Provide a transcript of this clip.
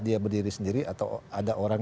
dia berdiri sendiri atau ada orang